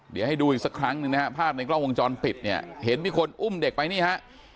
เดี๋ยวให้ดูอีกสักครั้งหนึ่งนะฮะภาพในกล้องวงจรปิดเนี่ยเห็นมีคนอุ้มเด็กไปนี่ฮะ